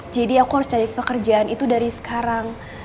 jadi aku harus cari pekerjaan itu dari sekarang